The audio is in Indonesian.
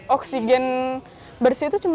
oksigen bersih itu cuma